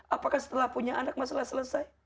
apakah setelah punya anak masalah selesai